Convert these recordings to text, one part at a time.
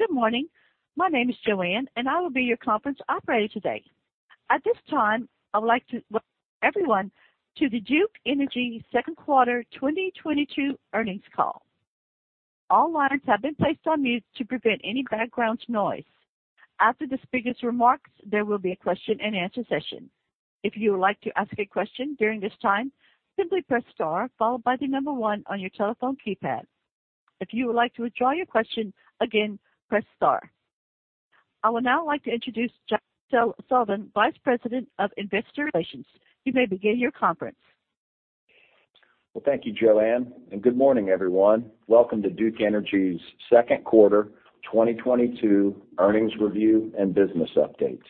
Good morning. My name is Joanne, and I will be your conference operator today. At this time, I would like to welcome everyone to the Duke Energy Second Quarter 2022 Earnings Call. All lines have been placed on mute to prevent any background noise. After the speaker's remarks, there will be a question-and-answer session. If you would like to ask a question during this time, simply press star followed by the number one on your telephone keypad. If you would like to withdraw your question, again, press star. I would now like to introduce Jack Sullivan, Vice President of Investor Relations. You may begin your conference. Well, thank you, Joanne, and good morning, everyone. Welcome to Duke Energy's Second Quarter 2022 Earnings Review and Business Update.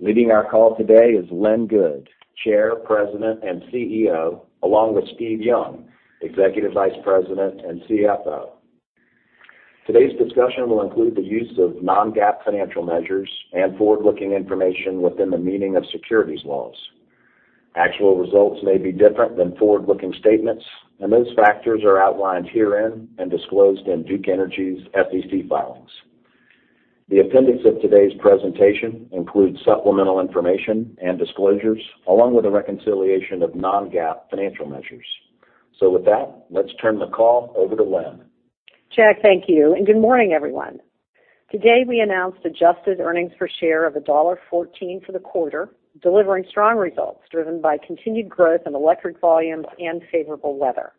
Leading our call today is Lynn Good, Chair, President, and CEO, along with Steve Young, Executive Vice President and CFO. Today's discussion will include the use of non-GAAP financial measures and forward-looking information within the meaning of securities laws. Actual results may be different than forward-looking statements, and those factors are outlined herein and disclosed in Duke Energy's SEC filings. The appendix of today's presentation includes supplemental information and disclosures along with a reconciliation of non-GAAP financial measures. With that, let's turn the call over to Lynn. Jack, thank you, and good morning, everyone. Today, we announced adjusted earnings per share of $1.14 for the quarter, delivering strong results driven by continued growth in electric volumes and favorable weather.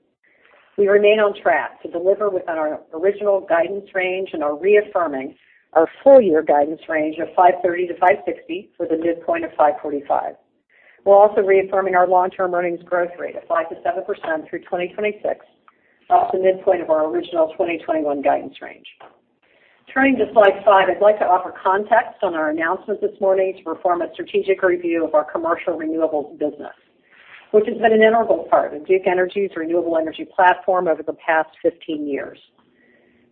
We remain on track to deliver within our original guidance range and are reaffirming our full-year guidance range of $5.30-$5.60 with a midpoint of $5.45. We're also reaffirming our long-term earnings growth rate of 5%-7% through 2026, also midpoint of our original 2021 guidance range. Turning to slide five, I'd like to offer context on our announcement this morning to perform a strategic review of our Commercial Renewables business, which has been an integral part of Duke Energy's renewable energy platform over the past 15 years.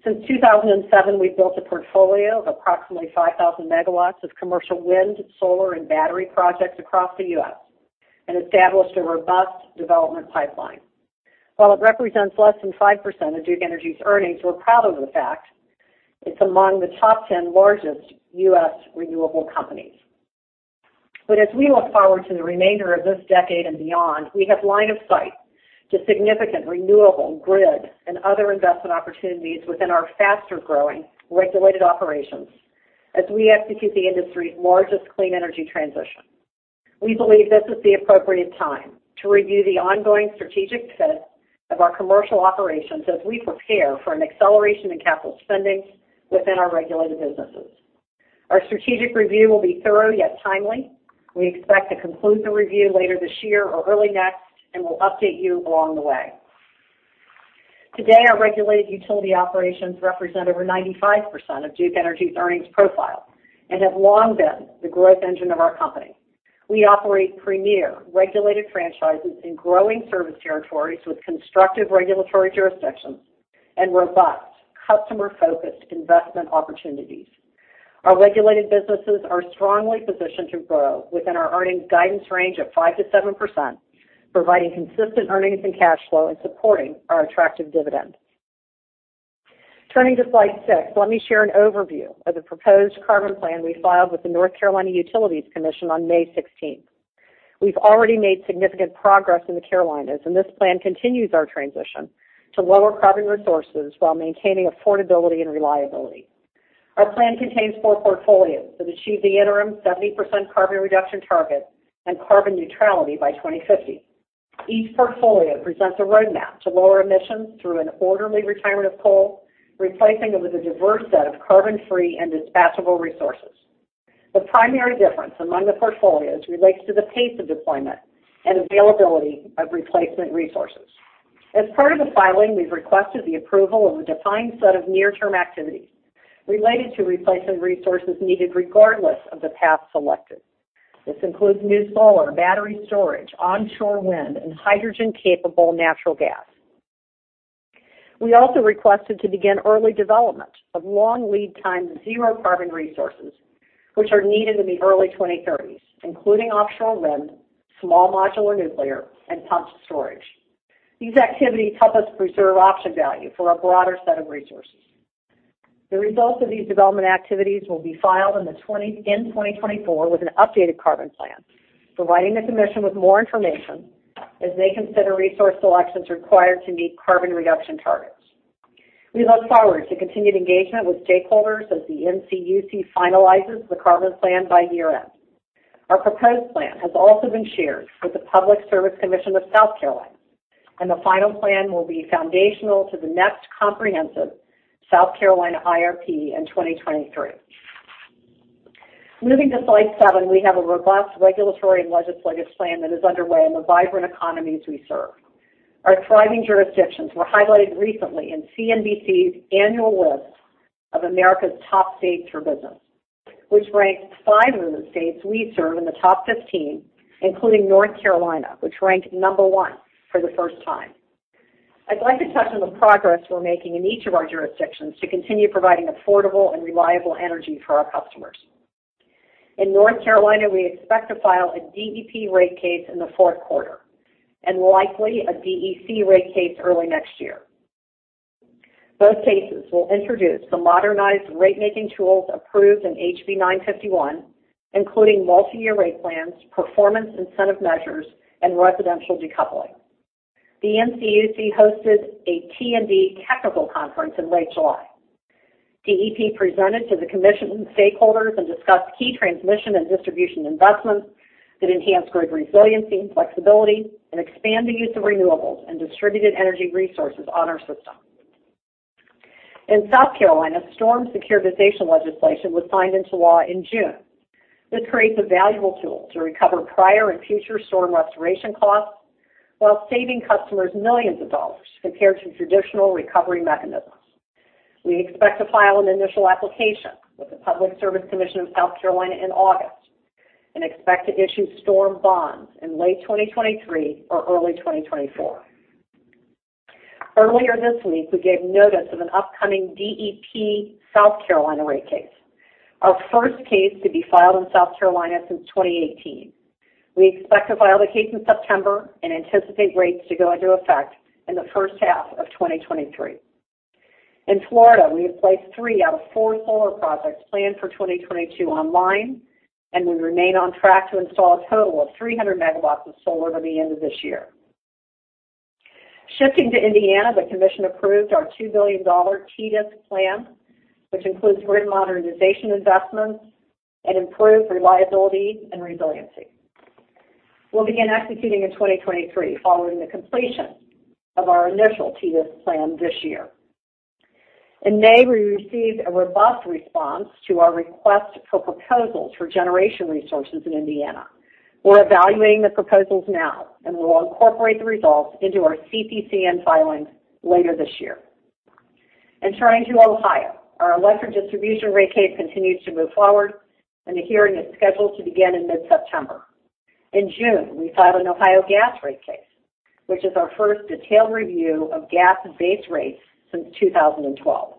Since 2007, we've built a portfolio of approximately 5,000 MW of commercial wind, solar, and battery projects across the U.S. and established a robust development pipeline. While it represents less than 5% of Duke Energy's earnings, we're proud of the fact it's among the top 10 largest U.S. renewable companies. As we look forward to the remainder of this decade and beyond, we have line of sight to significant renewable grid and other investment opportunities within our faster-growing regulated operations as we execute the industry's largest clean energy transition. We believe this is the appropriate time to review the ongoing strategic fit of our commercial operations as we prepare for an acceleration in capital spending within our regulated businesses. Our strategic review will be thorough yet timely. We expect to conclude the review later this year or early next, and we'll update you along the way. Today, our regulated utility operations represent over 95% of Duke Energy's earnings profile and have long been the growth engine of our company. We operate premier regulated franchises in growing service territories with constructive regulatory jurisdictions and robust customer-focused investment opportunities. Our regulated businesses are strongly positioned to grow within our earnings guidance range of 5%-7%, providing consistent earnings and cash flow and supporting our attractive dividend. Turning to slide six, let me share an overview of the proposed carbon plan we filed with the North Carolina Utilities Commission on May sixteenth. We've already made significant progress in the Carolinas, and this plan continues our transition to lower carbon resources while maintaining affordability and reliability. Our plan contains four portfolios that achieve the interim 70% carbon reduction target and carbon neutrality by 2050. Each portfolio presents a roadmap to lower emissions through an orderly retirement of coal, replacing it with a diverse set of carbon-free and dispatchable resources. The primary difference among the portfolios relates to the pace of deployment and availability of replacement resources. As part of the filing, we've requested the approval of a defined set of near-term activities related to replacement resources needed regardless of the path selected. This includes new solar, battery storage, onshore wind, and hydrogen-capable natural gas. We also requested to begin early development of long lead time zero carbon resources, which are needed in the early 2030s, including offshore wind, small modular nuclear, and pumped storage. These activities help us preserve option value for a broader set of resources. The results of these development activities will be filed in 2024 with an updated carbon plan, providing the commission with more information as they consider resource selections required to meet carbon reduction targets. We look forward to continued engagement with stakeholders as the NCUC finalizes the carbon plan by year-end. Our proposed plan has also been shared with the Public Service Commission of South Carolina, and the final plan will be foundational to the next comprehensive South Carolina IRP in 2023. Moving to slide seven, we have a robust regulatory and legislative plan that is underway in the vibrant economies we serve. Our thriving jurisdictions were highlighted recently in CNBC's annual list of America's top states for business, which ranked five of the states we serve in the top 15, including North Carolina, which ranked number one for the first time. I'd like to touch on the progress we're making in each of our jurisdictions to continue providing affordable and reliable energy for our customers. In North Carolina, we expect to file a DEP rate case in the fourth quarter and likely a DEC rate case early next year. Both cases will introduce the modernized rate-making tools approved in HB 951, including multi-year rate plans, performance incentive measures, and residential decoupling. The NCUC hosted a T&D technical conference in late July. DEP presented to the commission, stakeholders and discussed key transmission and distribution investments that enhance grid resiliency and flexibility and expand the use of renewables and distributed energy resources on our system. In South Carolina, storm securitization legislation was signed into law in June. This creates a valuable tool to recover prior and future storm restoration costs while saving customers millions of dollars compared to traditional recovery mechanisms. We expect to file an initial application with the Public Service Commission of South Carolina in August and expect to issue storm bonds in late 2023 or early 2024. Earlier this week, we gave notice of an upcoming DEP South Carolina rate case, our first case to be filed in South Carolina since 2018. We expect to file the case in September and anticipate rates to go into effect in the first half of 2023. In Florida, we have placed three out of four solar projects planned for 2022 online, and we remain on track to install a total of 300 MW of solar by the end of this year. Shifting to Indiana, the commission approved our $2 billion TDIS plan, which includes grid modernization investments and improved reliability and resiliency. We'll begin executing in 2023 following the completion of our initial TDIS plan this year. In May, we received a robust response to our request for proposals for generation resources in Indiana. We're evaluating the proposals now, and we will incorporate the results into our CPCN filing later this year. Turning to Ohio, our electric distribution rate case continues to move forward and the hearing is scheduled to begin in mid-September. In June, we filed an Ohio gas rate case, which is our first detailed review of gas base rates since 2012.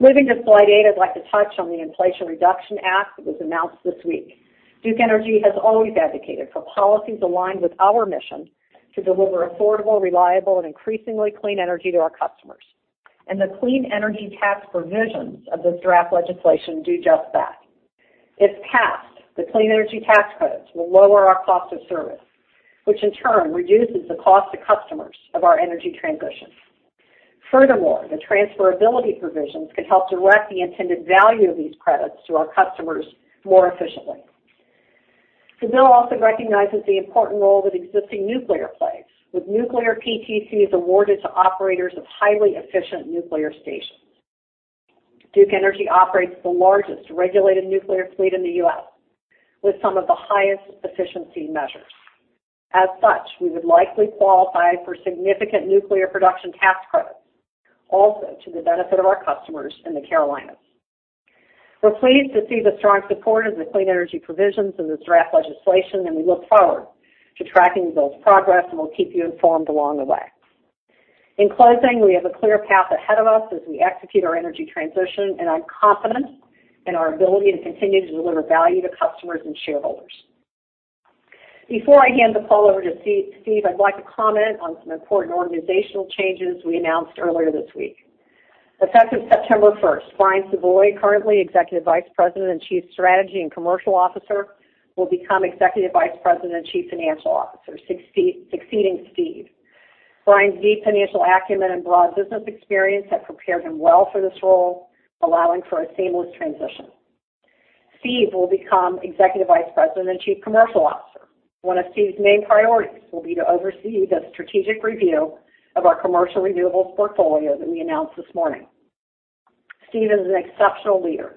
Moving to slide eight, I'd like to touch on the Inflation Reduction Act that was announced this week. Duke Energy has always advocated for policies aligned with our mission to deliver affordable, reliable, and increasingly clean energy to our customers. The clean energy tax provisions of this draft legislation do just that. If passed, the clean energy tax credits will lower our cost of service, which in turn reduces the cost to customers of our energy transition. Furthermore, the transferability provisions could help direct the intended value of these credits to our customers more efficiently. The bill also recognizes the important role that existing nuclear plays, with nuclear PTCs awarded to operators of highly efficient nuclear stations. Duke Energy operates the largest regulated nuclear fleet in the U.S. with some of the highest efficiency measures. As such, we would likely qualify for significant nuclear production tax credits, also to the benefit of our customers in the Carolinas. We're pleased to see the strong support of the clean energy provisions in this draft legislation, and we look forward to tracking the bill's progress, and we'll keep you informed along the way. In closing, we have a clear path ahead of us as we execute our energy transition, and I'm confident in our ability to continue to deliver value to customers and shareholders. Before I hand the call over to Steve, I'd like to comment on some important organizational changes we announced earlier this week. Effective September first, Brian Savoy, currently Executive Vice President and Chief Strategy and Commercial Officer, will become Executive Vice President and Chief Financial Officer, succeeding Steve. Brian's deep financial acumen and broad business experience have prepared him well for this role, allowing for a seamless transition. Steve will become Executive Vice President and Chief Commercial Officer. One of Steve's main priorities will be to oversee the strategic review of our commercial renewables portfolio that we announced this morning. Steve is an exceptional leader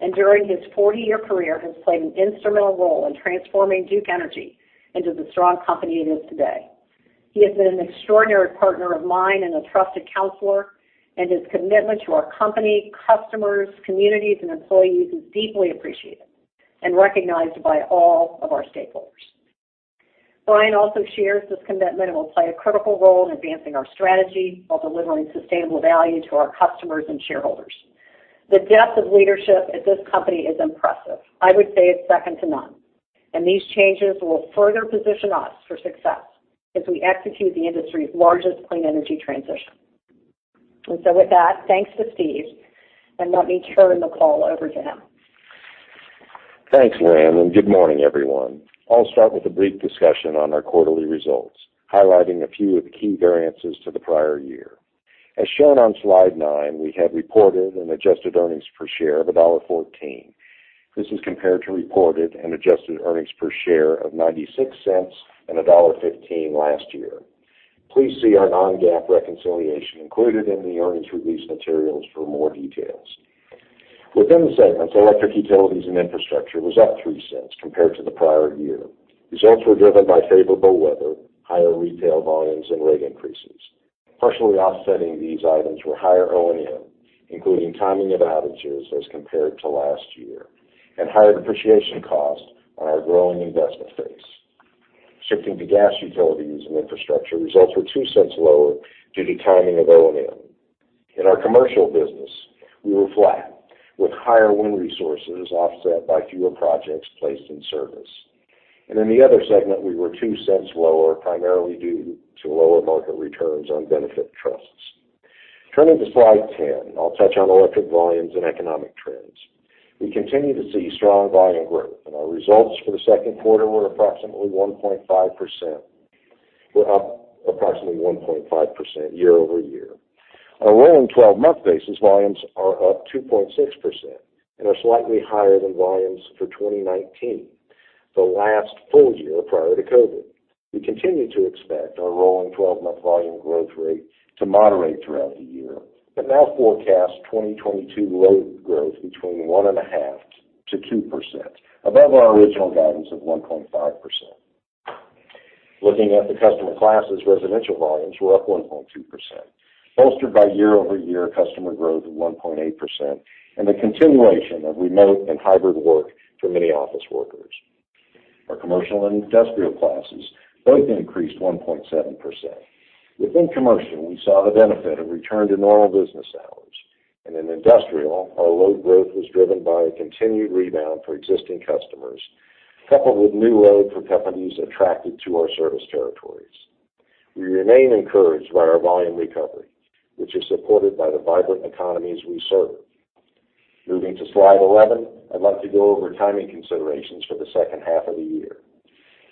and during his 40-year career has played an instrumental role in transforming Duke Energy into the strong company it is today. He has been an extraordinary partner of mine and a trusted counselor, and his commitment to our company, customers, communities, and employees is deeply appreciated and recognized by all of our stakeholders. Brian also shares this commitment and will play a critical role in advancing our strategy while delivering sustainable value to our customers and shareholders. The depth of leadership at this company is impressive. I would say it's second to none, and these changes will further position us for success as we execute the industry's largest clean energy transition. With that, thanks to Steve, and let me turn the call over to him. Thanks, Lynn, and good morning, everyone. I'll start with a brief discussion on our quarterly results, highlighting a few of the key variances to the prior year. As shown on slide nine, we have reported an adjusted earnings per share of $1.14. This is compared to reported and adjusted earnings per share of $0.96 and $1.15 last year. Please see our non-GAAP reconciliation included in the earnings release materials for more details. Within the segments, Electric Utilities and Infrastructure was up $0.03 compared to the prior year. Results were driven by favorable weather, higher retail volumes, and rate increases. Partially offsetting these items were higher O&M, including timing of outages as compared to last year and higher depreciation costs on our growing investment base. Shifting to Gas Utilities and Infrastructure, results were $0.02 lower due to timing of O&M. In our commercial business, we were flat with higher wind resources offset by fewer projects placed in service. In the other segment, we were $0.02 lower, primarily due to lower market returns on benefit trusts. Turning to slide 10, I'll touch on electric volumes and economic trends. We continue to see strong volume growth, and our results for the second quarter were up approximately 1.5% year-over-year. On a rolling 12 month basis, volumes are up 2.6% and are slightly higher than volumes for 2019, the last full year prior to COVID. We continue to expect our rolling 12 month volume growth rate to moderate throughout the year, but now forecast 2022 load growth between 1.5%-2%, above our original guidance of 1.5%. Looking at the customer classes, residential volumes were up 1.2%, bolstered by year-over-year customer growth of 1.8% and the continuation of remote and hybrid work for many office workers. Our commercial and industrial classes both increased 1.7%. Within commercial, we saw the benefit of return to normal business hours, and in industrial, our load growth was driven by a continued rebound for existing customers, coupled with new load for companies attracted to our service territories. We remain encouraged by our volume recovery, which is supported by the vibrant economies we serve. Moving to slide 11, I'd like to go over timing considerations for the second half of the year.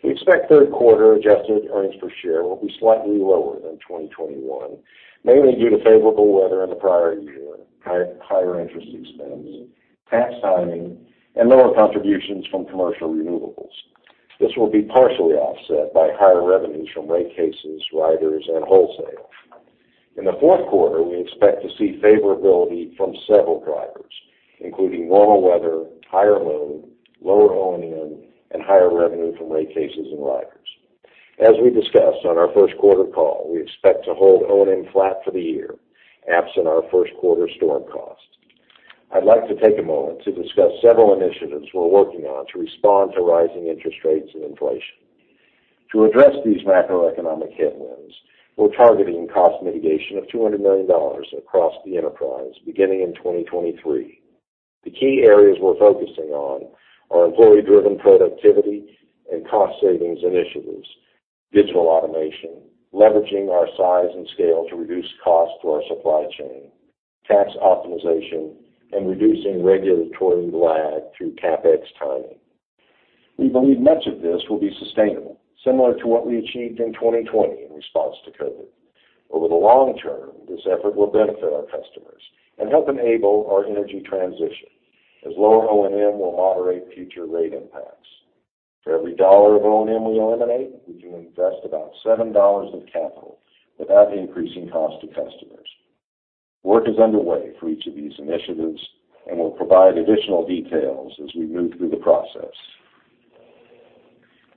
We expect third quarter adjusted earnings per share will be slightly lower than 2021, mainly due to favorable weather in the prior year, higher interest expense, tax timing, and lower contributions from commercial renewables. This will be partially offset by higher revenues from rate cases, riders, and wholesale. In the fourth quarter, we expect to see favorability from several drivers, including normal weather, higher load, lower O&M, and higher revenue from rate cases and riders. As we discussed on our first quarter call, we expect to hold O&M flat for the year, absent our first quarter storm costs. I'd like to take a moment to discuss several initiatives we're working on to respond to rising interest rates and inflation. To address these macroeconomic headwinds, we're targeting cost mitigation of $200 million across the enterprise beginning in 2023. The key areas we're focusing on are employee-driven productivity and cost savings initiatives, digital automation, leveraging our size and scale to reduce cost to our supply chain, tax optimization, and reducing regulatory lag through CapEx timing. We believe much of this will be sustainable, similar to what we achieved in 2020 in response to COVID. Over the long term, this effort will benefit our customers and help enable our energy transition, as lower O&M will moderate future rate impacts. For every $1 of O&M we eliminate, we can invest about $7 of capital without increasing cost to customers. Work is underway for each of these initiatives, and we'll provide additional details as we move through the process.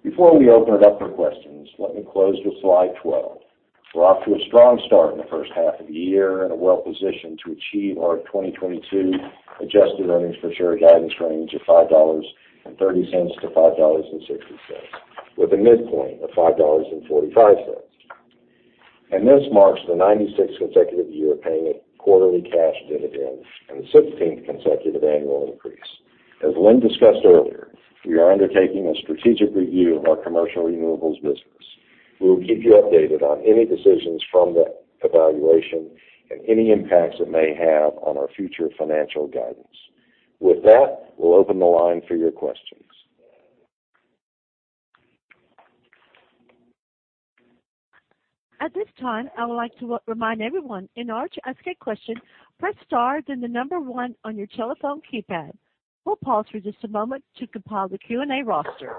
Before we open it up for questions, let me close with slide 12. We're off to a strong start in the first half of the year and are well-positioned to achieve our 2022 adjusted earnings per share guidance range of $5.30-$5.60, with a midpoint of $5.45. This marks the 96th consecutive year of paying a quarterly cash dividend and the 16th consecutive annual increase. As Lynn discussed earlier, we are undertaking a strategic review of our Commercial Renewables business. We will keep you updated on any decisions from that evaluation and any impacts it may have on our future financial guidance. With that, we'll open the line for your questions. At this time, I would like to remind everyone, in order to ask a question, press star, then the number one on your telephone keypad. We'll pause for just a moment to compile the Q&A roster.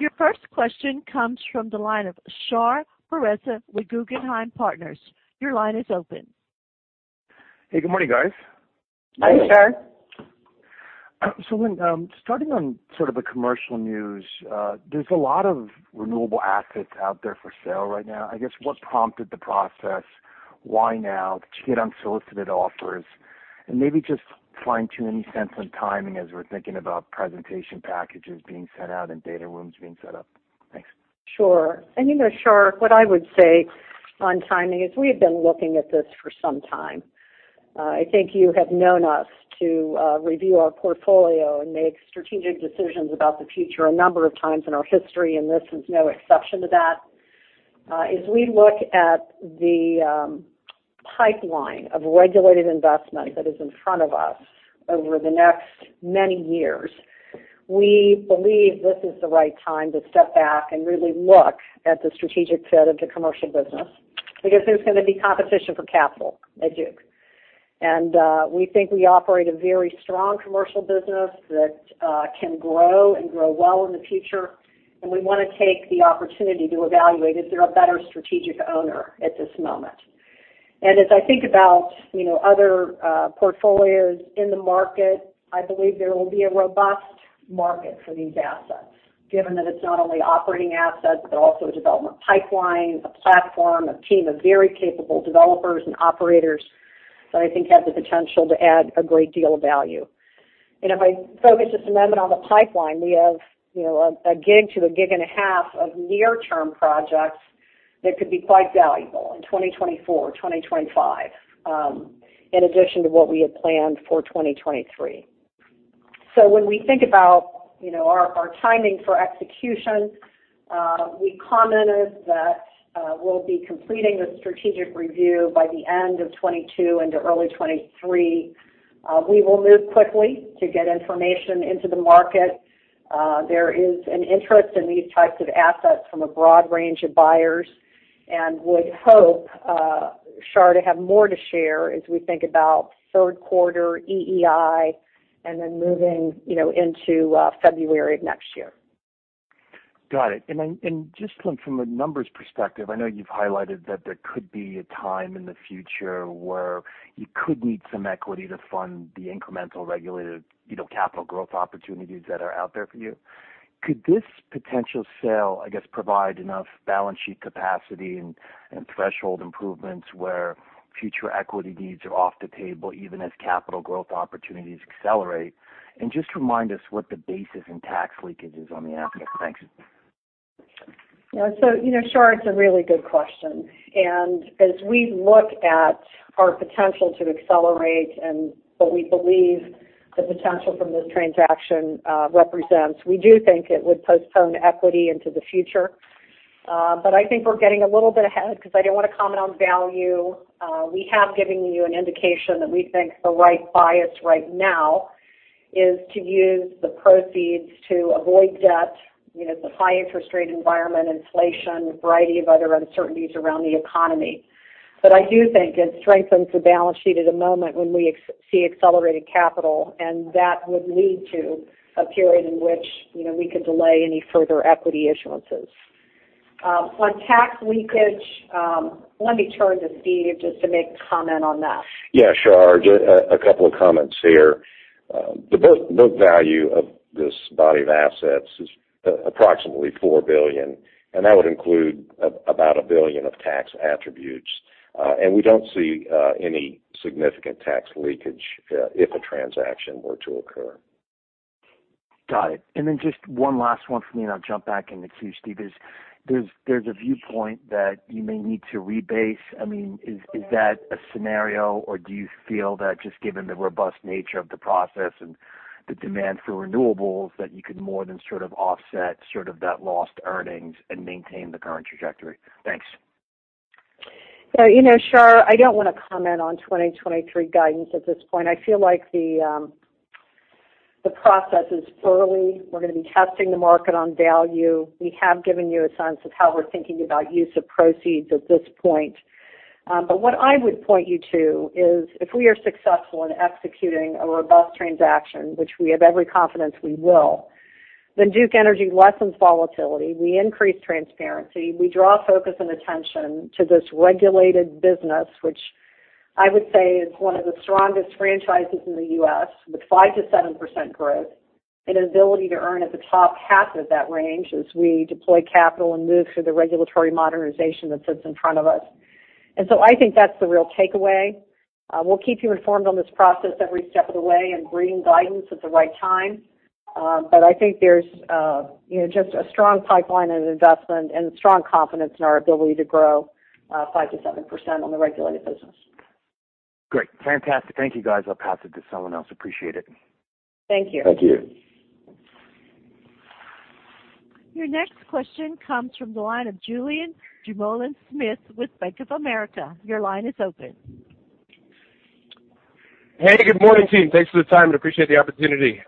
Your first question comes from the line of Shar Pourreza with Guggenheim Partners. Your line is open. Hey, good morning, guys. Hi, Shar. Lynn, starting on sort of the Commercial Renewables, there's a lot of renewable assets out there for sale right now. I guess what prompted the process? Why now? Did you get unsolicited offers? Maybe just fine-tune any sense on timing as we're thinking about presentation packages being sent out and data rooms being set up. Thanks. Sure. You know, Shar, what I would say on timing is we have been looking at this for some time. I think you have known us to review our portfolio and make strategic decisions about the future a number of times in our history, and this is no exception to that. As we look at the pipeline of regulated investment that is in front of us over the next many years, we believe this is the right time to step back and really look at the strategic fit of the commercial business because there's going to be competition for capital at Duke. We think we operate a very strong commercial business that can grow and grow well in the future, and we want to take the opportunity to evaluate, is there a better strategic owner at this moment? As I think about, you know, other portfolios in the market, I believe there will be a robust market for these assets, given that it's not only operating assets, but also a development pipeline, a platform, a team of very capable developers and operators. I think has the potential to add a great deal of value. If I focus just a moment on the pipeline, we have, you know, a GW to a GW and a half of near-term projects that could be quite valuable in 2024, 2025, in addition to what we had planned for 2023. When we think about, you know, our timing for execution, we commented that we'll be completing the strategic review by the end of 2022 into early 2023. We will move quickly to get information into the market. There is an interest in these types of assets from a broad range of buyers, and would hope, Shar, to have more to share as we think about third quarter EEI, and then moving, you know, into February of next year. Got it. Just Lynn, from a numbers perspective, I know you've highlighted that there could be a time in the future where you could need some equity to fund the incremental regulated, you know, capital growth opportunities that are out there for you. Could this potential sale, I guess, provide enough balance sheet capacity and threshold improvements where future equity needs are off the table, even as capital growth opportunities accelerate? Just remind us what the basis and tax leakage is on the asset. Thanks. Yeah. You know, Shar, it's a really good question. As we look at our potential to accelerate and what we believe the potential from this transaction represents, we do think it would postpone equity into the future. I think we're getting a little bit ahead because I don't wanna comment on value. We have given you an indication that we think the right bias right now is to use the proceeds to avoid debt, you know, the high interest rate environment, inflation, a variety of other uncertainties around the economy. I do think it strengthens the balance sheet at a moment when we see accelerated capital, and that would lead to a period in which, you know, we could delay any further equity issuances. On tax leakage, let me turn to Steve just to make comment on that. Yeah, sure. Just a couple of comments here. The book value of this body of assets is approximately $4 billion, and that would include about $1 billion of tax attributes. We don't see any significant tax leakage if a transaction were to occur. Got it. Then just one last one for me, and I'll jump back in the queue, Steve, is there's a viewpoint that you may need to rebase. I mean, is that a scenario, or do you feel that just given the robust nature of the process and the demand for renewables, that you could more than sort of offset sort of that lost earnings and maintain the current trajectory? Thanks. You know, Shar, I don't wanna comment on 2023 guidance at this point. I feel like the process is early. We're gonna be testing the market on value. We have given you a sense of how we're thinking about use of proceeds at this point. What I would point you to is if we are successful in executing a robust transaction, which we have every confidence we will, then Duke Energy lessens volatility, we increase transparency, we draw focus and attention to this regulated business, which I would say is one of the strongest franchises in the U.S., with 5%-7% growth and an ability to earn at the top half of that range as we deploy capital and move through the regulatory modernization that sits in front of us. I think that's the real takeaway. We'll keep you informed on this process every step of the way and bring guidance at the right time. I think there's, you know, just a strong pipeline and investment and strong confidence in our ability to grow 5%-7% on the regulated business. Great. Fantastic. Thank you, guys. I'll pass it to someone else. Appreciate it. Thank you. Thank you. Your next question comes from the line of Julien Dumoulin-Smith with Bank of America. Your line is open. Hey, good morning, team. Thanks for the time, and appreciate the opportunity.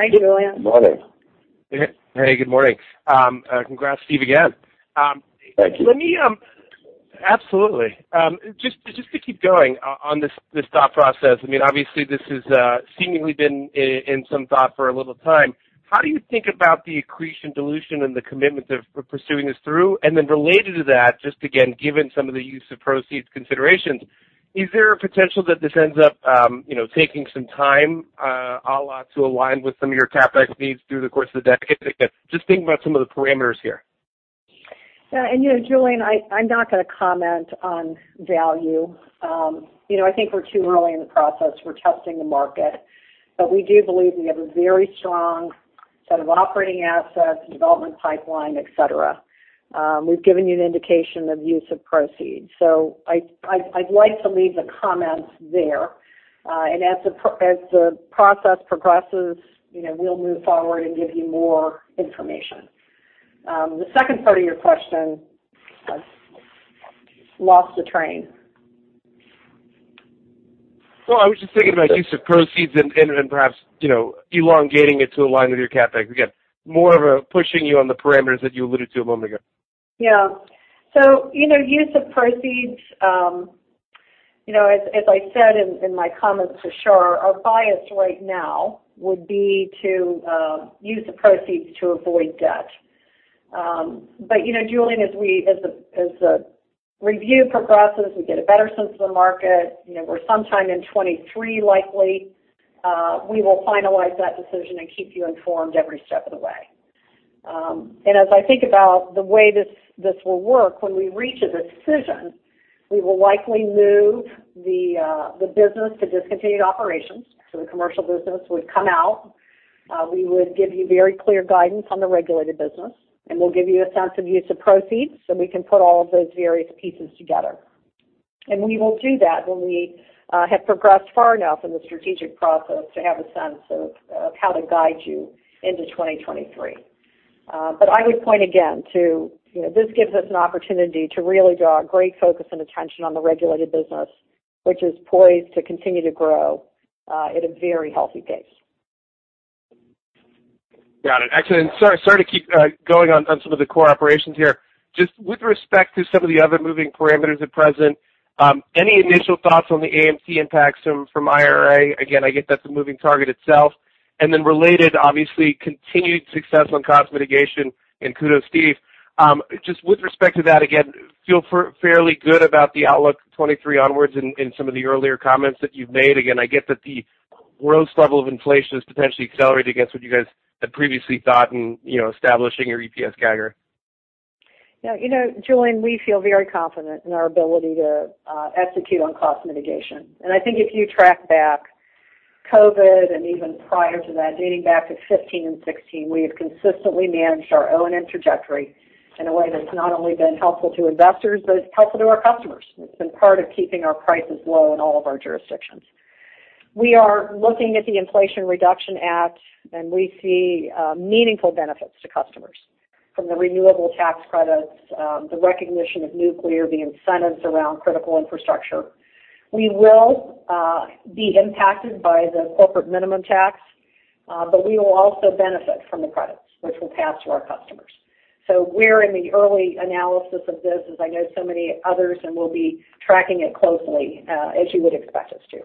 Hi, Julien. Morning. Hey. Hey, good morning. Congrats, Steve, again. Thank you. Absolutely. Just to keep going on this thought process, I mean, obviously this has seemingly been in some thought for a little time. How do you think about the accretion dilution and the commitment of pursuing this through? Then related to that, just again, given some of the use of proceeds considerations, is there a potential that this ends up, you know, taking some time, a la to align with some of your CapEx needs through the course of the decade? Just thinking about some of the parameters here. You know, Julien, I'm not gonna comment on value. You know, I think we're too early in the process. We're testing the market, but we do believe we have a very strong set of operating assets, development pipeline, et cetera. We've given you an indication of use of proceeds, so I'd like to leave the comments there. As the process progresses, you know, we'll move forward and give you more information. The second part of your question, I've lost the train. Well, I was just thinking about use of proceeds and perhaps, you know, elongating it to align with your CapEx. Again, more of a pushing you on the parameters that you alluded to a moment ago. Yeah. You know, use of proceeds, as I said in my comments to Shar, our bias right now would be to use the proceeds to avoid debt. You know, Julien, as the review progresses, we get a better sense of the market, you know, we're sometime in 2023 likely, we will finalize that decision and keep you informed every step of the way. As I think about the way this will work, when we reach a decision, we will likely move the business to discontinued operations. The commercial business would come out. We would give you very clear guidance on the regulated business, and we'll give you a sense of use of proceeds, so we can put all of those various pieces together. We will do that when we have progressed far enough in the strategic process to have a sense of how to guide you into 2023. But I would point again to, you know, this gives us an opportunity to really draw great focus and attention on the regulated business, which is poised to continue to grow at a very healthy pace. Got it. Excellent. Sorry to keep going on some of the core operations here. Just with respect to some of the other moving parameters at present, any initial thoughts on the AMT impacts from IRA? Again, I get that's a moving target itself. Then related, obviously, continued success on cost mitigation and kudos, Steve. Just with respect to that, again, feel fairly good about the outlook 2023 onwards in some of the earlier comments that you've made. Again, I get that the growth level of inflation has potentially accelerated against what you guys had previously thought in, you know, establishing your EPS CAGR. Yeah. You know, Julien, we feel very confident in our ability to execute on cost mitigation. I think if you track back COVID and even prior to that, dating back to 2015 and 2016, we have consistently managed our O&M trajectory in a way that's not only been helpful to investors, but it's helpful to our customers. It's been part of keeping our prices low in all of our jurisdictions. We are looking at the Inflation Reduction Act, and we see meaningful benefits to customers from the renewable tax credits, the recognition of nuclear, the incentives around critical infrastructure. We will be impacted by the corporate minimum tax, but we will also benefit from the credits, which we'll pass to our customers. We're in the early analysis of this, as I know so many others, and we'll be tracking it closely, as you would expect us to.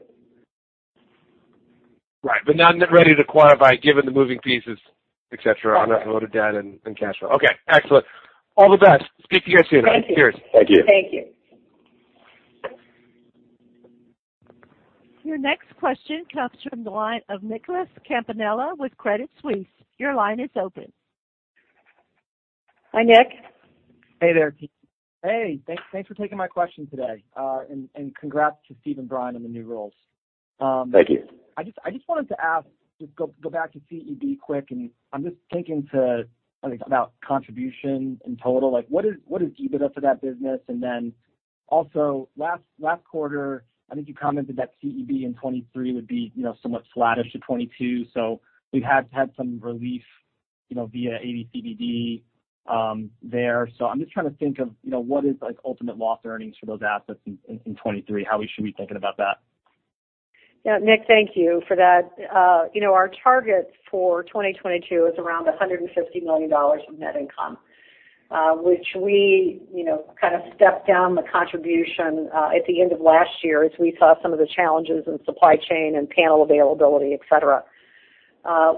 Right. Not ready to quantify given the moving pieces, et cetera, on unloaded debt and cash flow. Okay, excellent. All the best. Speak to you guys soon. Thank you. Cheers. Thank you. Thank you. Your next question comes from the line of Nicholas Campanella with Credit Suisse. Your line is open. Hi, Nick. Hey there. Hey, thanks for taking my question today. Congrats to Steve and Brian on the new roles. Thank you. I just wanted to ask, just go back to CEB quick, and I'm just thinking about contribution in total. What is EBITDA for that business? Then also last quarter, I think you commented that CEB in 2023 would be, you know, somewhat flattish to 2022. We've had some relief, you know, via AD/CVD there. I'm just trying to think of, you know, what is like ultimate loss earnings for those assets in 2023. How should we be thinking about that? Yeah. Nick, thank you for that. You know, our target for 2022 is around $150 million in net income, which we, you know, kind of stepped down the contribution at the end of last year as we saw some of the challenges in supply chain and panel availability, et cetera.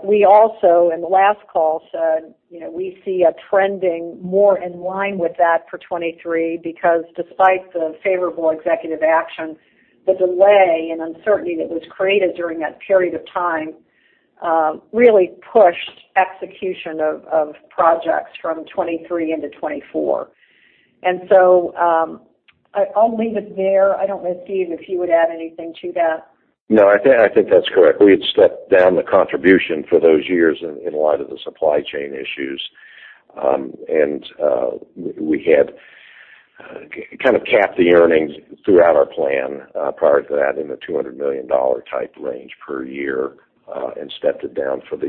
We also in the last call said, you know, we see a trending more in line with that for 2023 because despite the favorable executive action, the delay and uncertainty that was created during that period of time really pushed execution of projects from 2023 into 2024. I'll leave it there. I don't know, Steve, if you would add anything to that. No, I think that's correct. We had stepped down the contribution for those years in light of the supply chain issues. We had kind of capped the earnings throughout our plan prior to that in the $200 million type range per year, and stepped it down for the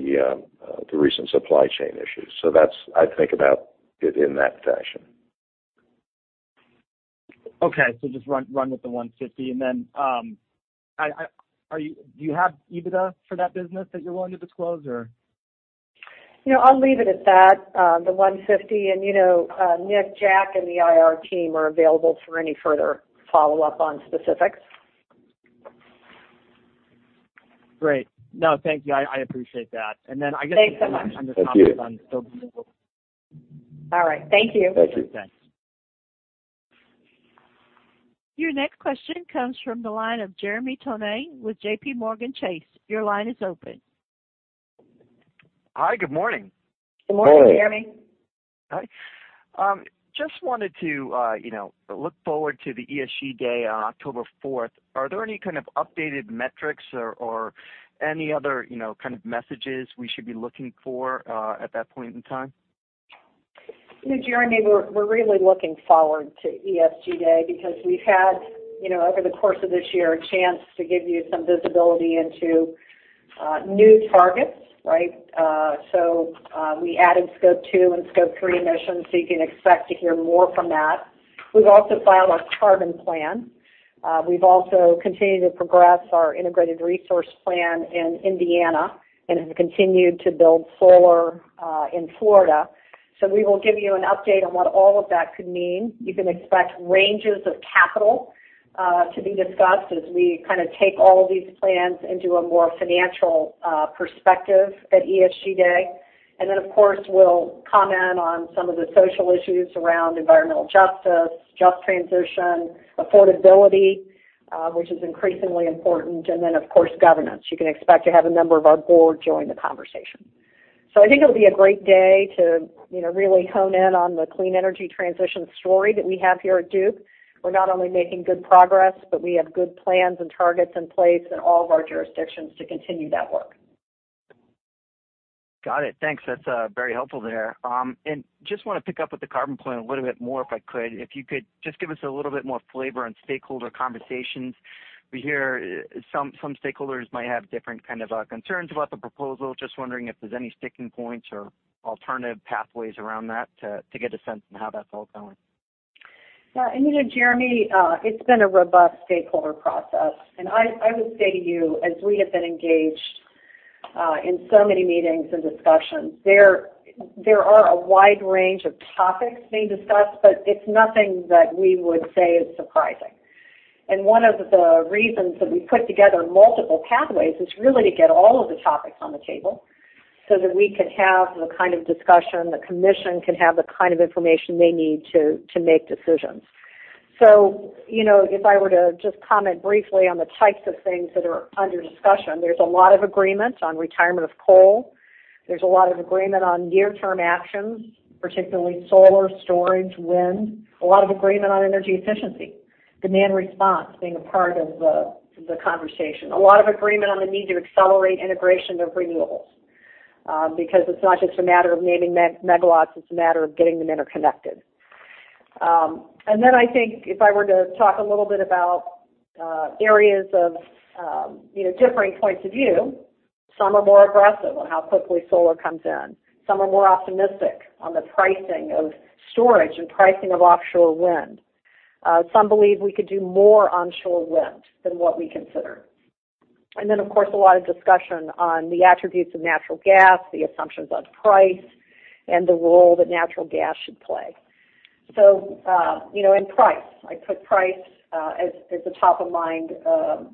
recent supply chain issues. That's. I'd think about it in that fashion. Okay. Just run with the $150. Do you have EBITDA for that business that you're willing to disclose or? You know, I'll leave it at that, the $150. You know, Nick, Jack, and the IR team are available for any further follow-up on specifics. Great. No, thank you. I appreciate that. Thanks so much. Thank you. I guess we can end this conference on. All right. Thank you. Thank you. Thanks. Your next question comes from the line of Jeremy Tonet with J.P. Morgan. Your line is open. Hi. Good morning. Good morning, Jeremy. Hello. Hi. Just wanted to, you know, look forward to the ESG Day on October 4th. Are there any kind of updated metrics or any other, you know, kind of messages we should be looking for at that point in time? Jeremy, we're really looking forward to ESG Day because we've had, you know, over the course of this year, a chance to give you some visibility into new targets, right? We added Scope 2 and Scope 3 emissions, so you can expect to hear more from that. We've also filed our carbon plan. We've also continued to progress our integrated resource plan in Indiana and have continued to build solar in Florida. We will give you an update on what all of that could mean. You can expect ranges of capital to be discussed as we kind of take all of these plans into a more financial perspective at ESG Day. Then, of course, we'll comment on some of the social issues around environmental justice, just transition, affordability, which is increasingly important. Then, of course, governance. You can expect to have a member of our board join the conversation. I think it'll be a great day to, you know, really hone in on the clean energy transition story that we have here at Duke. We're not only making good progress, but we have good plans and targets in place in all of our jurisdictions to continue that work. Got it. Thanks. That's very helpful there. Just wanna pick up with the carbon plan a little bit more, if I could. If you could just give us a little bit more flavor on stakeholder conversations. We hear some stakeholders might have different kind of concerns about the proposal. Just wondering if there's any sticking points or alternative pathways around that to get a sense on how that's all going. Yeah. You know, Jeremy, it's been a robust stakeholder process. I would say to you, as we have been engaged in so many meetings and discussions, there are a wide range of topics being discussed, but it's nothing that we would say is surprising. One of the reasons that we put together multiple pathways is really to get all of the topics on the table so that we can have the kind of discussion, the commission can have the kind of information they need to make decisions. You know, if I were to just comment briefly on the types of things that are under discussion, there's a lot of agreement on retirement of coal. There's a lot of agreement on near-term actions, particularly solar, storage, wind. A lot of agreement on energy efficiency, demand response being a part of the conversation. A lot of agreement on the need to accelerate integration of renewables, because it's not just a matter of nameplate megawatts, it's a matter of getting them interconnected. I think if I were to talk a little bit about areas of you know, differing points of view, some are more aggressive on how quickly solar comes in. Some are more optimistic on the pricing of storage and pricing of offshore wind. Some believe we could do more onshore wind than what we consider. Of course, a lot of discussion on the attributes of natural gas, the assumptions on price, and the role that natural gas should play. I put price as a top-of-mind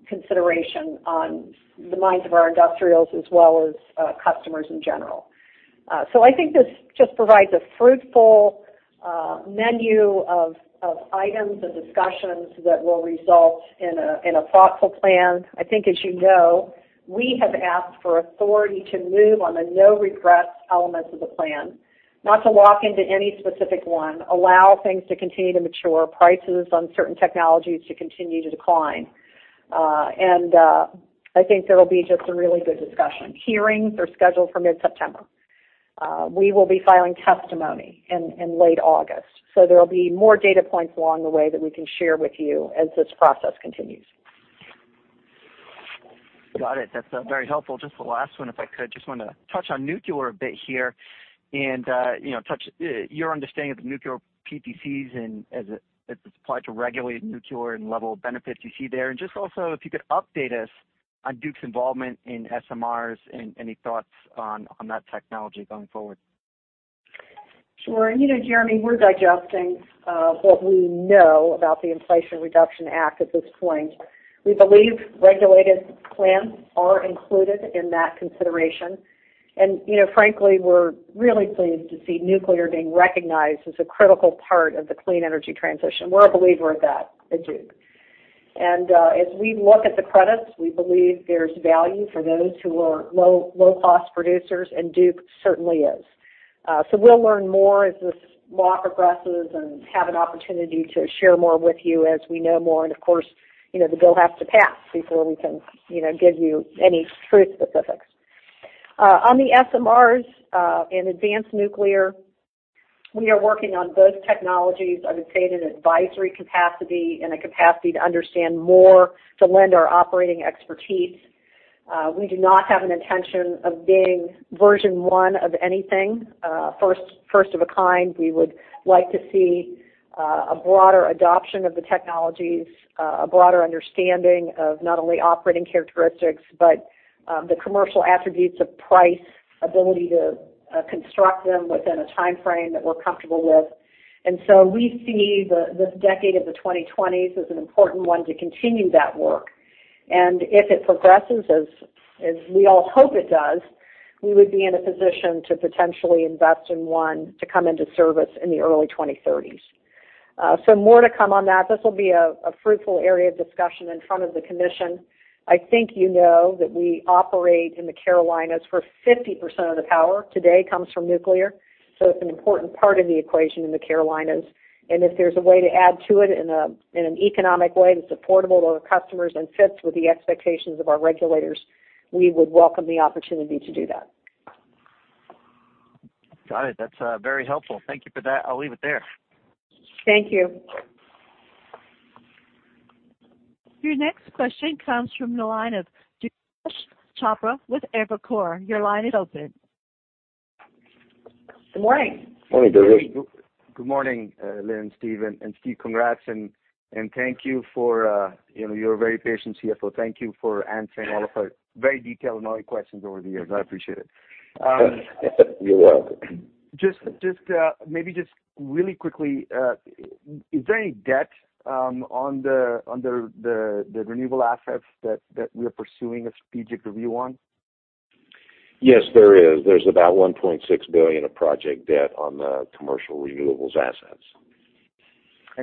consideration on the minds of our industrials as well as customers in general. I think this just provides a fruitful menu of items and discussions that will result in a thoughtful plan. I think, as you know, we have asked for authority to move on the no regrets elements of the plan, not to lock into any specific one, allow things to continue to mature, prices on certain technologies to continue to decline. I think there will be just a really good discussion. Hearings are scheduled for mid-September. We will be filing testimony in late August. There will be more data points along the way that we can share with you as this process continues. Got it. That's very helpful. Just the last one, if I could. Just wanna touch on nuclear a bit here and you know your understanding of the nuclear PTCs and as it's applied to regulated nuclear and level of benefits you see there. Just also if you could update us on Duke's involvement in SMRs and any thoughts on that technology going forward. Sure. You know, Jeremy, we're digesting what we know about the Inflation Reduction Act at this point. We believe regulated plans are included in that consideration. You know, frankly, we're really pleased to see nuclear being recognized as a critical part of the clean energy transition. We're a believer of that at Duke. As we look at the credits, we believe there's value for those who are low-cost producers, and Duke certainly is. We'll learn more as this law progresses and have an opportunity to share more with you as we know more. Of course, you know, the bill has to pass before we can, you know, give you any true specifics. On the SMRs and advanced nuclear, we are working on both technologies, I would say in an advisory capacity and a capacity to understand more to lend our operating expertise. We do not have an intention of being version one of anything, first of a kind. We would like to see a broader adoption of the technologies, a broader understanding of not only operating characteristics, but the commercial attributes of price, ability to construct them within a timeframe that we're comfortable with. We see this decade of the 2020s as an important one to continue that work. If it progresses as we all hope it does, we would be in a position to potentially invest in one to come into service in the early 2030s. So more to come on that. This will be a fruitful area of discussion in front of the commission. I think you know that we operate in the Carolinas, where 50% of the power today comes from nuclear. It's an important part of the equation in the Carolinas. If there's a way to add to it in an economic way that's affordable to our customers and fits with the expectations of our regulators, we would welcome the opportunity to do that. Got it. That's very helpful. Thank you for that. I'll leave it there. Thank you. Your next question comes from the line of Durgesh Chopra with Evercore. Your line is open. Good morning. Morning, Durgesh. Good morning, Lynn, Steve. Steve, congrats and thank you for, you know, you're a very patient CFO. Thank you for answering all of our very detailed and annoying questions over the years. I appreciate it. You're welcome. Just maybe just really quickly, is there any debt on the renewable assets that we are pursuing a strategic review on? Yes, there is. There's about $1.6 billion of project debt on the commercial renewables assets.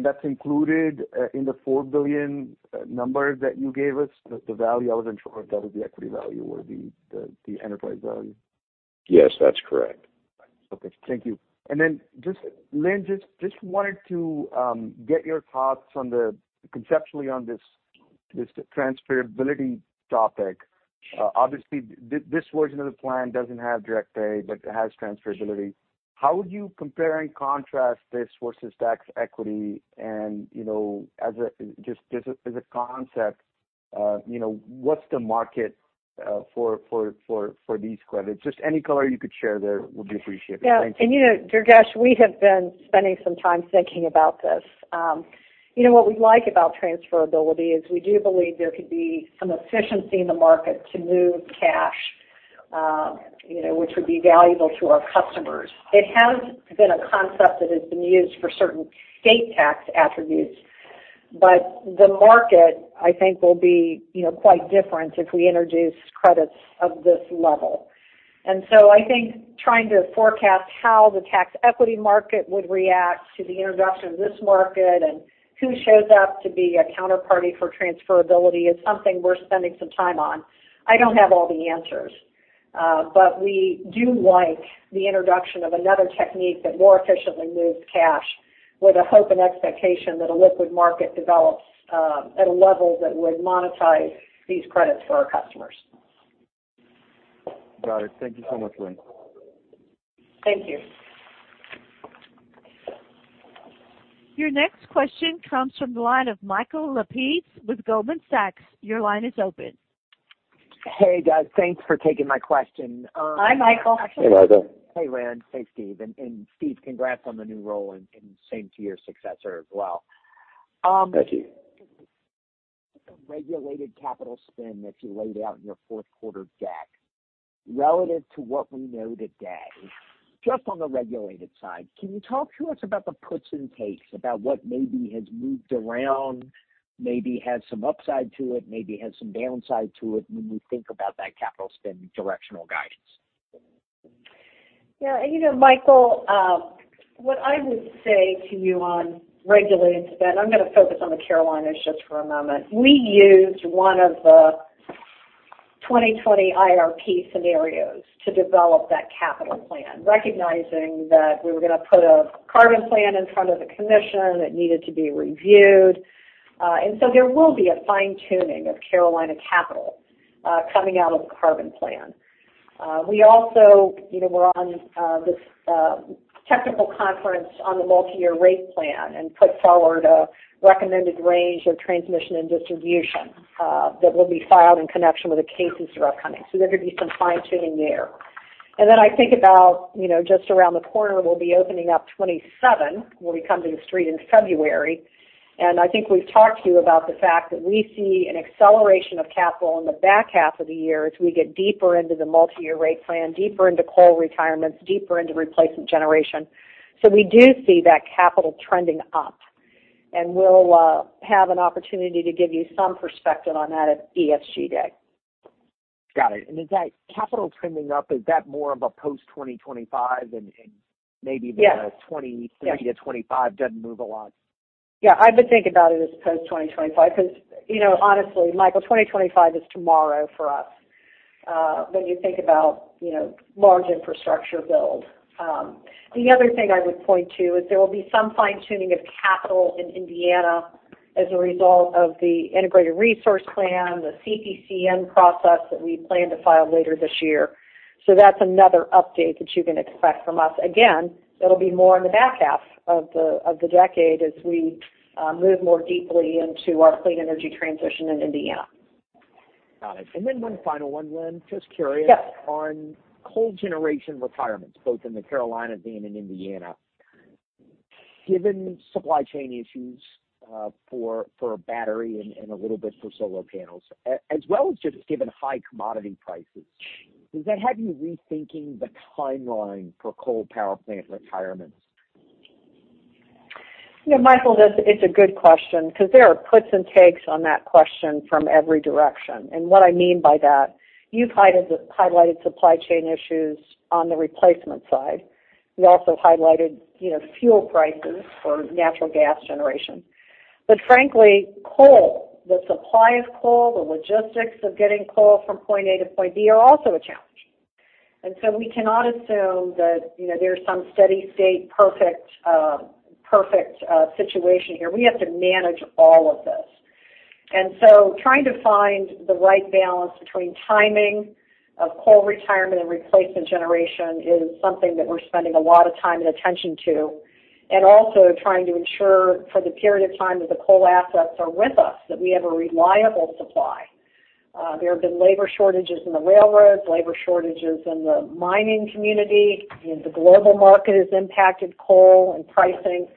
That's included in the $4 billion number that you gave us, the value? I wasn't sure if that was the equity value or the enterprise value. Yes, that's correct. Okay. Thank you. Then just Lynn, just wanted to get your thoughts conceptually on this transferability topic. Obviously this version of the plan doesn't have direct pay, but it has transferability. How would you compare and contrast this versus tax equity and, you know, as just a concept, you know, what's the market for these credits? Just any color you could share there would be appreciated. Thank you. Yeah. You know, Durgesh, we have been spending some time thinking about this. You know, what we like about transferability is we do believe there could be some efficiency in the market to move cash, you know, which would be valuable to our customers. It has been a concept that has been used for certain state tax attributes. The market, I think, will be, you know, quite different if we introduce credits of this level. I think trying to forecast how the tax equity market would react to the introduction of this market and who shows up to be a counterparty for transferability is something we're spending some time on. I don't have all the answers. We do like the introduction of another technique that more efficiently moves cash with a hope and expectation that a liquid market develops, at a level that would monetize these credits for our customers. Got it. Thank you so much, Lynn. Thank you. Your next question comes from the line of Michael Lapides with Goldman Sachs. Your line is open. Hey, guys. Thanks for taking my question. Hi, Michael. Hey, Michael. Hey, Lynn. Hey, Steve. Steve, congrats on the new role and same to your successor as well. Thank you. The regulated capital plan that you laid out in your fourth quarter deck, relative to what we know today, just on the regulated side, can you talk to us about the puts and takes about what maybe has moved around, maybe has some upside to it, maybe has some downside to it when we think about that capital plan directional guidance? Yeah, you know, Michael, what I would say to you on regulated spend, I'm going to focus on the Carolinas just for a moment. We used one of the 2020 IRP scenarios to develop that capital plan, recognizing that we were going to put a carbon plan in front of the commission. It needed to be reviewed. There will be a fine-tuning of Carolinas capital, coming out of the carbon plan. We also, you know, we're on this technical conference on the multi-year rate plan and put forward a recommended range of transmission and distribution, that will be filed in connection with the cases that are upcoming. There could be some fine-tuning there. I think about, you know, just around the corner, we'll be opening up 2027 when we come to the street in February. I think we've talked to you about the fact that we see an acceleration of capital in the back half of the year as we get deeper into the multi-year rate plan, deeper into coal retirements, deeper into replacement generation. We do see that capital trending up, and we'll have an opportunity to give you some perspective on that at ESG Day. Got it. Is that capital trending up, is that more of a post 2025 and maybe- Yes. The 2023 to 2025 doesn't move a lot? Yeah, I would think about it as post-2025 because, you know, honestly, Michael, 2025 is tomorrow for us when you think about, you know, large infrastructure build. The other thing I would point to is there will be some fine-tuning of capital in Indiana as a result of the integrated resource plan, the CPCN process that we plan to file later this year. That's another update that you can expect from us. Again, it'll be more in the back half of the decade as we move more deeply into our clean energy transition in Indiana. Got it. One final one, Lynn. Yes. Just curious on coal generation retirements, both in the Carolinas and in Indiana. Given supply chain issues for battery and a little bit for solar panels, as well as just given high commodity prices, does that have you rethinking the timeline for coal power plant retirements? You know, Michael, that's a good question because there are puts and takes on that question from every direction. What I mean by that, you've highlighted supply chain issues on the replacement side. You also highlighted, you know, fuel prices for natural gas generation. Frankly, coal, the supply of coal, the logistics of getting coal from point A to point B are also a challenge. We cannot assume that, you know, there's some steady state, perfect situation here. We have to manage all of this. Trying to find the right balance between timing of coal retirement and replacement generation is something that we're spending a lot of time and attention to, and also trying to ensure for the period of time that the coal assets are with us, that we have a reliable supply. There have been labor shortages in the railroads, labor shortages in the mining community. You know, the global market has impacted coal and pricing.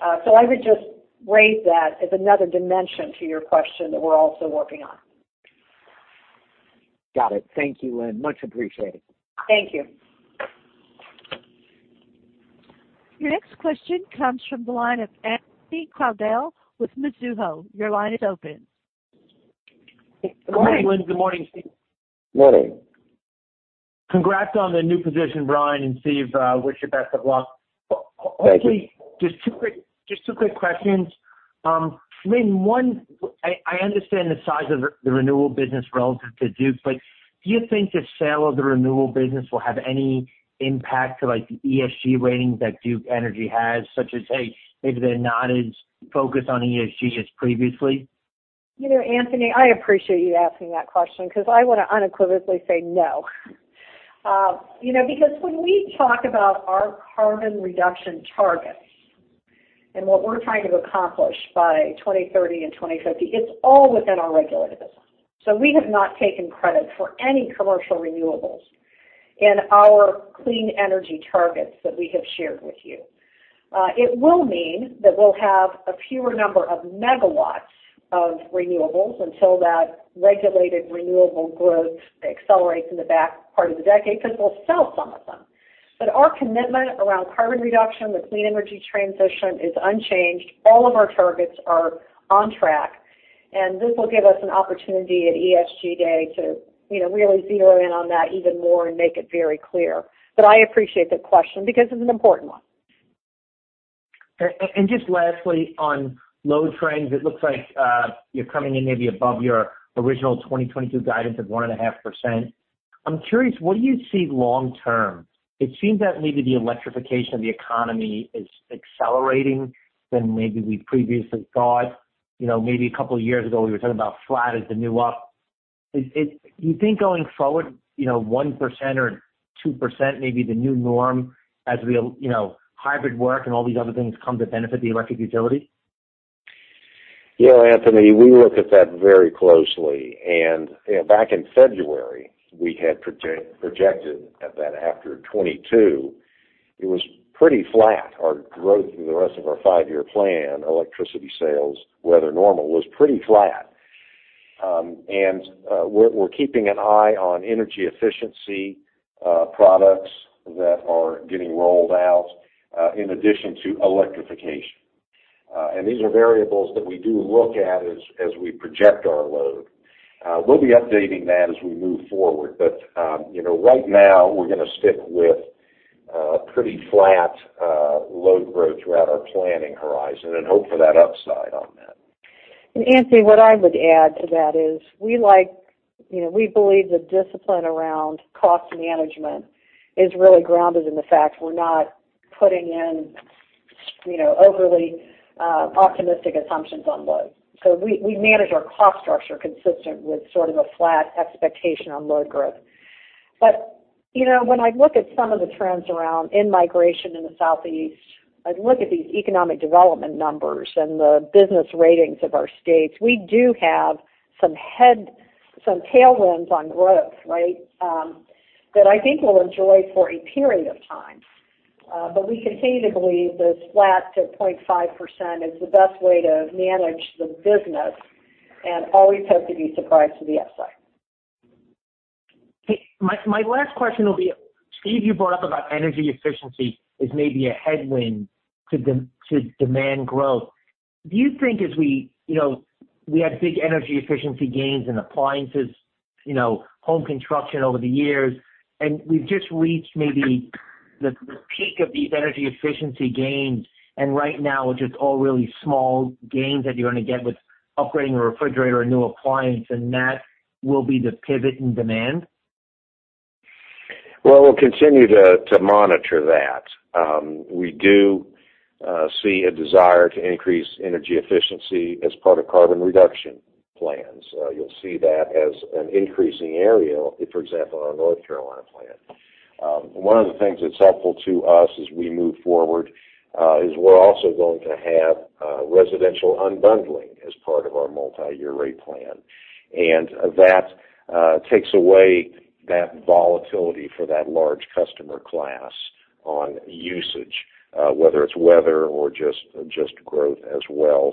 I would just raise that as another dimension to your question that we're also working on. Got it. Thank you, Lynn. Much appreciated. Thank you. Your next question comes from the line of Anthony Crowdell with Mizuho. Your line is open. Good morning, Lynn. Good morning, Steve. Morning. Congrats on the new position, Brian and Steve. Wish you best of luck. Thank you. Quickly, just two quick questions. Lynn, one, I understand the size of the renewables business relative to Duke, but do you think the sale of the renewables business will have any impact to like the ESG ratings that Duke Energy has, such as, hey, maybe they're not as focused on ESG as previously? You know, Anthony, I appreciate you asking that question because I want to unequivocally say no. You know, because when we talk about our carbon reduction targets and what we're trying to accomplish by 2030 and 2050, it's all within our regulated business. We have not taken credit for any commercial renewables in our clean energy targets that we have shared with you. It will mean that we'll have a fewer number of megawatts of renewables until that regulated renewable growth accelerates in the back part of the decade because we'll sell some of them. Our commitment around carbon reduction, the clean energy transition is unchanged. All of our targets are on track, and this will give us an opportunity at ESG Day to, you know, really zero in on that even more and make it very clear. I appreciate the question because it's an important one. Just lastly, on load trends, it looks like you're coming in maybe above your original 2022 guidance of 1.5%. I'm curious, what do you see long term? It seems that maybe the electrification of the economy is accelerating faster than maybe we previously thought. You know, maybe a couple of years ago, we were talking about flat as the new up. Is do you think going forward, you know, 1% or 2% may be the new norm as we you know, hybrid work and all these other things come to benefit the electric utility? You know, Anthony, we look at that very closely. You know, back in February, we had projected that after 2022, it was pretty flat. Our growth through the rest of our five-year plan, electricity sales, weather normal, was pretty flat. We're keeping an eye on energy efficiency, products that are getting rolled out, in addition to electrification. These are variables that we do look at as we project our load. We'll be updating that as we move forward. You know, right now, we're going to stick with pretty flat load growth throughout our planning horizon and hope for that upside on that. Anthony, what I would add to that is we like, you know, we believe the discipline around cost management is really grounded in the fact we're not putting in, you know, overly optimistic assumptions on load. So we manage our cost structure consistent with sort of a flat expectation on load growth. You know, when I look at some of the trends around in-migration in the Southeast, I look at these economic development numbers and the business ratings of our states. We do have some tailwinds on growth, right? That I think we'll enjoy for a period of time. We continue to believe that flat to 0.5% is the best way to manage the business and always hope to be surprised to the upside. My last question will be, Steve, you brought up about energy efficiency is maybe a headwind to to demand growth. Do you think as we, you know, we had big energy efficiency gains in appliances, you know, home construction over the years, and we've just reached maybe the peak of these energy efficiency gains, and right now, it's just all really small gains that you're going to get with upgrading a refrigerator or a new appliance, and that will be the pivot in demand? Well, we'll continue to monitor that. We do see a desire to increase energy efficiency as part of carbon reduction plans. You'll see that as an increasing area, for example, in our North Carolina plan. One of the things that's helpful to us as we move forward is we're also going to have residential unbundling as part of our multi-year rate plan. That takes away that volatility for that large customer class on usage, whether it's weather or just growth as well.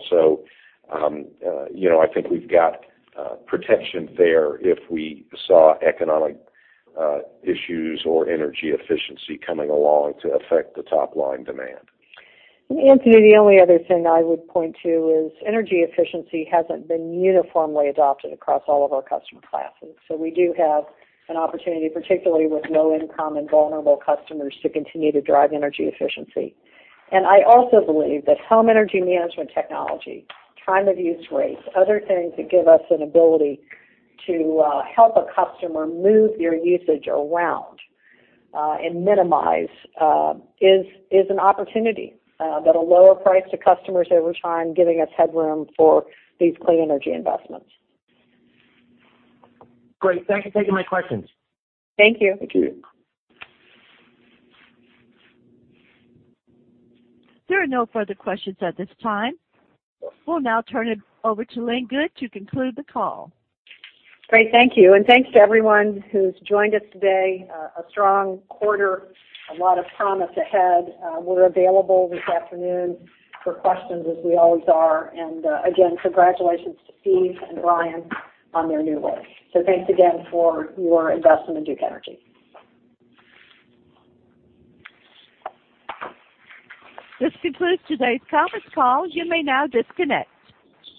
You know, I think we've got protection there if we saw economic issues or energy efficiency coming along to affect the top-line demand. Anthony, the only other thing I would point to is energy efficiency hasn't been uniformly adopted across all of our customer classes. We do have an opportunity, particularly with low-income and vulnerable customers, to continue to drive energy efficiency. I also believe that home energy management technology, time-of-use rates, other things that give us an ability to help a customer move their usage around and minimize is an opportunity that'll lower price to customers over time, giving us headroom for these clean energy investments. Great. Thank you for taking my questions. Thank you. Thank you. There are no further questions at this time. We'll now turn it over to Lynn Good to conclude the call. Great. Thank you. Thanks to everyone who's joined us today. A strong quarter, a lot of promise ahead. We're available this afternoon for questions as we always are. Again, congratulations to Steve and Brian on their new roles. Thanks again for your investment in Duke Energy. This concludes today's conference call. You may now disconnect.